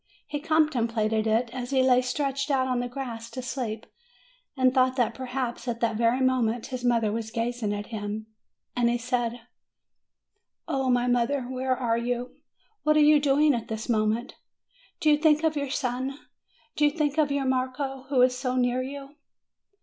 He contemplated it, as he lay stretched out on the grass to sleep, and thought that, perhaps, at that very moment, his mother was gazing at him. And he said : "O my mother, where are you? What are you doing at this moment? Do you think of your son? Do you think of your Marco, who is so near to you?"